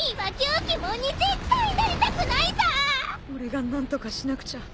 俺が何とかしなくちゃ。